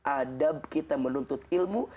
adab kita menuntut ilmu